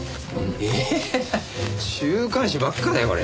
ええっ週刊誌ばっかだよこれ。